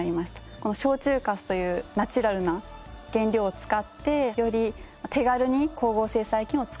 この焼酎粕というナチュラルな原料を使ってより手軽に光合成細菌を使えるようにしました。